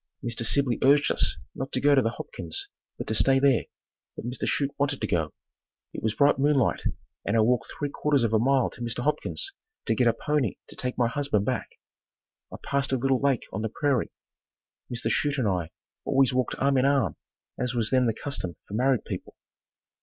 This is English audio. Mr. Sibley urged us not to go to the Hopkins', but to stay there, but Mr. Chute wanted to go. It was bright moonlight, and I walked three quarters of a mile to Mr. Hopkins' to get a pony to take my husband back. I passed a little lake on the prairie. Mr. Chute and I always walked arm in arm as was then the custom for married people.